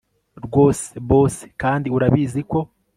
rwose boss kandi urabizi ko